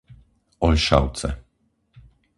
Oľšavce